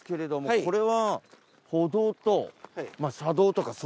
［これは］